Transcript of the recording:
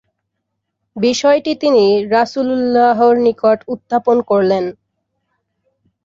বিষয়টি তিনি রাসূলুল্লাহর নিকট উত্থাপন করলেন।